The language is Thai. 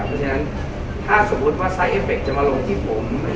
เพราะฉะนั้นถ้าสมมุติว่าไซสเอฟเคจะมาลงที่ผม